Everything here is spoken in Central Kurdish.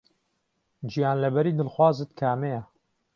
گیانلەبەری دڵخوازت کامەیە؟